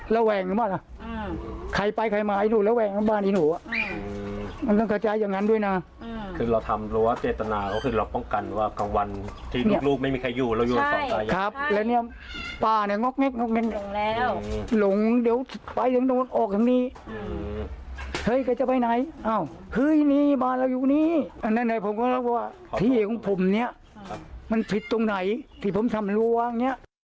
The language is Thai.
ที่ของผมนี่มันผิดตรงไหนที่ผมทำให้ล่วง